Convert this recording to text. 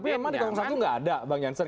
tapi memang di satu nggak ada bang jansen